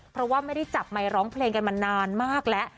เพราะว่าไม่ได้จับไมค์ร้องเพลงกันมานานมากแล้ว